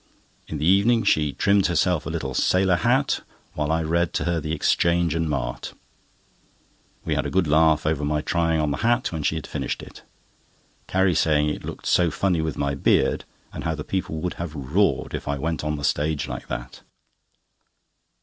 In the evening she trimmed herself a little sailor hat, while I read to her the Exchange and Mart. We had a good laugh over my trying on the hat when she had finished it; Carrie saying it looked so funny with my beard, and how the people would have roared if I went on the stage like it.